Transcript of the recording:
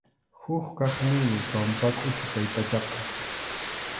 Huk kaqninmi Pampakʼuchu taytachaqa.